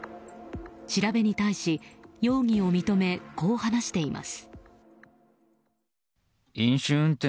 調べに対し、容疑を認めこう話しています。